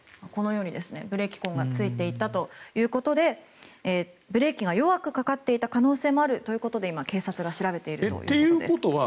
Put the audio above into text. ブレーキ痕がついていたということでブレーキが弱くかかっていた可能性もあるということで警察が調べているということです。